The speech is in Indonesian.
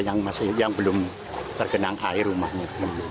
yang belum tergenang air rumahnya